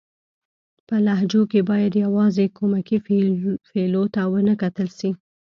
په لهجو کښي بايد يوازي کومکي فعلو ته و نه کتل سي.